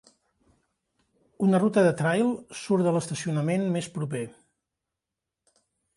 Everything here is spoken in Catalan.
Una ruta de trail surt de l'estacionament més proper.